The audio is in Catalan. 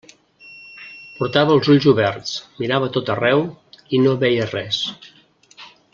Portava els ulls oberts, mirava a tot arreu, i no veia res.